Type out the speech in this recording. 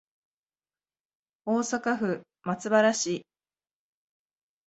大阪府松原市